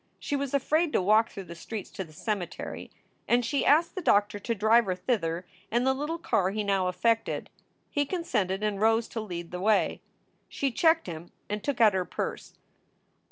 She was afraid to walk through the streets to the cemetery, and she asked the doctor to drive her thither in the little car he now affected. He consented and rose to lead the way. She checked him and took out her purse.